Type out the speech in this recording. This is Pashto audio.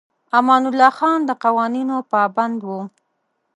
امان الله خان د قوانینو پابند و.